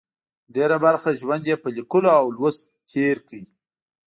ډېره برخه ژوند یې په لیکلو او لوست تېر کړه.